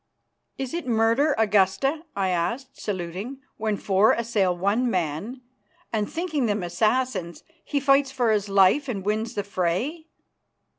"Is it murder, Augusta," I asked, saluting, "when four assail one man, and, thinking them assassins, he fights for his life and wins the fray?"